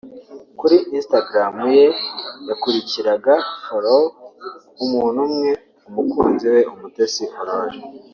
kuri Instagram ye yakurikiraga(follow) umuntu umwe [umukunzi we Mutesi Aurore]